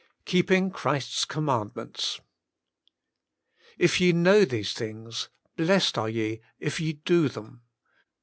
XI KEEPING Christ's commandments "If ye know these things, blessed are ye if ye do them."